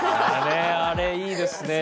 あれいいですね。